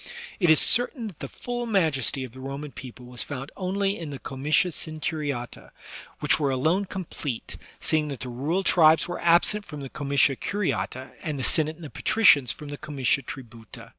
It is certain that the full majesty of the Roman people was found only in the comitia centuriata^ which were alone complete, seeing that the rural tribes were absent from the comitia curiata and the Senate and the patricians from the comitia tributa.